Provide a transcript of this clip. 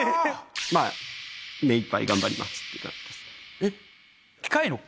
まぁ目いっぱい頑張りますっていう感じですね。